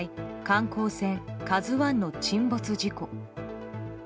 観光船「ＫＡＺＵ１」の沈没事故。